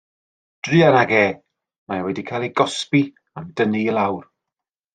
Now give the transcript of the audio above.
Druan ag e, mae e wedi cael ei gosbi am dynnu i lawr.